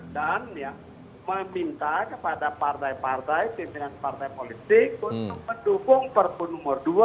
dan meminta kepada partai partai pimpinan partai politik untuk mendukung perbu nomor dua